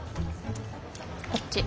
こっち。